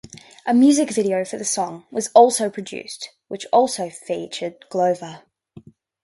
A music video for the song was also produced, which also featured Glover.